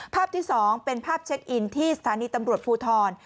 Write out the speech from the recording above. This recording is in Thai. ภาพที่๒เป็นภาพเช็คอินที่สถานีตำรวจภูทร